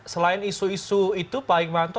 selain isu isu itu pak hikmanto